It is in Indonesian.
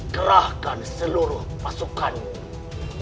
gerahkan seluruh pasukanmu